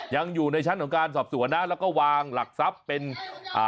ยังอยู่ในชั้นของการสอบสวนนะแล้วก็วางหลักทรัพย์เป็นอ่า